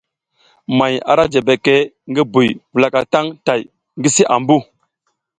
May ara ja beke ngi buy wulaka tang tay ngi si ambu.